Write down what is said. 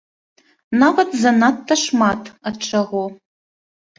Нават занадта шмат ад чаго.